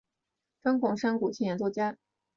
张孔山古琴演奏家。